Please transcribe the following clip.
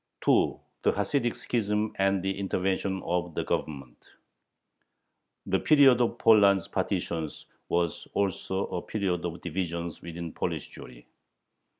2. THE HASIDIC SCHISM AND THE INTERVENTION OF THE GOVERNMENT The period of Poland's partitions was also a period of divisions within Polish Jewry.